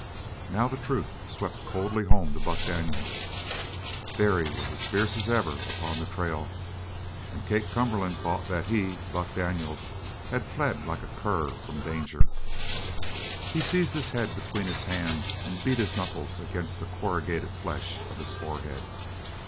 Now the truth swept coldly home to Buck Daniels. Barry was as fierce as ever upon the trail; and Kate Cumberland thought that he Buck Daniels, had fled like a cur from danger. He seized his head between his hands and beat his knuckles against the corrugated flesh of his forehead.